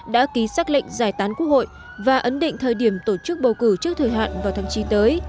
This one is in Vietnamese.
đã ký xác lệnh giải tán quốc hội và ấn định thời điểm tổ chức bầu cử trước thời hạn vào tháng chín tới